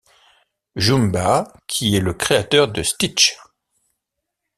Jumba qui est le créateur de Stitch.